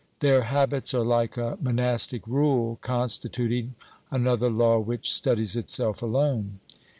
Their habits are like a monastic rule, constituting another law which studies uself alone.